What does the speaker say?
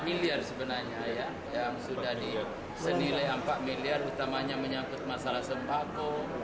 empat miliar sebenarnya yang sudah disenilai empat miliar utamanya menyangkut masalah sembako